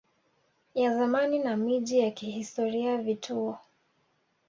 ya zamani na miji ya kihistoria vituo